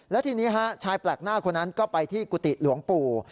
และทีนี้ฮะชายแปลกหน้าคนนั้นก็ไปที่กุฏิหลวงปู่